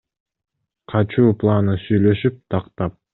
Качуу планын сүйлөшүп, тактап.